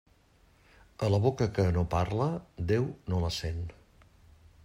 A la boca que no parla, Déu no la sent.